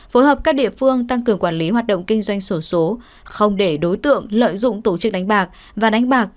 phối hợp các địa phương tăng cường quản lý hoạt động kinh doanh sổ số không để đối tượng lợi dụng tổ chức đánh bạc và đánh bạc